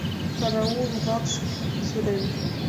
КАРАУЛ, ВАКШ КӰ ПЫЗЫРЕН!